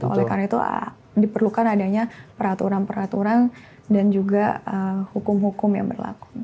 oleh karena itu diperlukan adanya peraturan peraturan dan juga hukum hukum yang berlaku